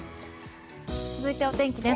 続いて、お天気です。